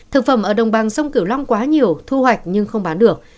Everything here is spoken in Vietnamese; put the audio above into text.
thực phẩm ở đồng bằng sông kiểu long quá nhiều thu hoạch nhưng không bán được